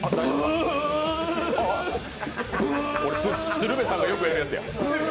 鶴瓶さんがよくやるやつや。